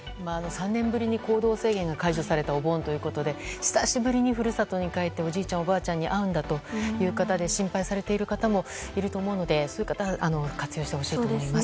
３年ぶりに行動制限が解除されたお盆ということで久しぶりに故郷に帰っておじいちゃん、おばあちゃんに会うんだという方で心配されている方もいると思うので活用してほしいと思います。